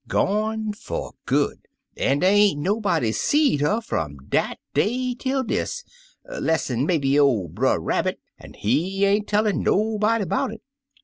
Gone fer good, an' dey ain't no body seed her fimi dat day ter dis, less'n maybe ol' Brer Rabbit, an' he ain't tellin' nobody 'bout it.